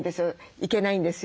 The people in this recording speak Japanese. いけないんですよ